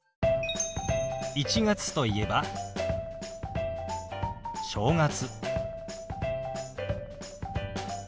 １月といえば「正月」。